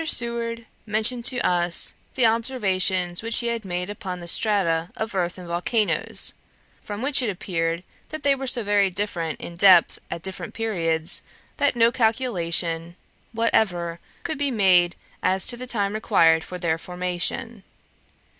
Seward mentioned to us the observations which he had made upon the strata of earth in volcanos, from which it appeared, that they were so very different in depth at different periods, that no calculation whatever could be made as to the time required for their formation.